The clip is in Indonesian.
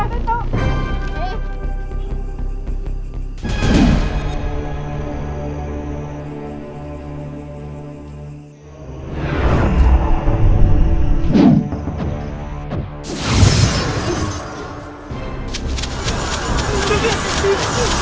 behavior yang makin muncul kita